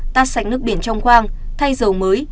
tắt sạch nước biển trong khoang thay dầu mới